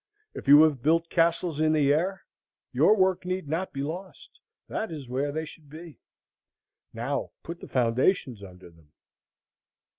If you have built castles in the air, your work need not be lost; that is where they should be. Now put the foundations under them.